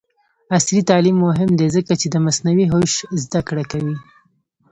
عصري تعلیم مهم دی ځکه چې د مصنوعي هوش زدکړه کوي.